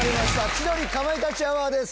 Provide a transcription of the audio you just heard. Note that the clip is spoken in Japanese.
『千鳥かまいたちアワー』です。